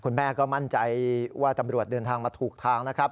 คุณแม่ก็มั่นใจว่าตำรวจเดินทางมาถูกทางนะครับ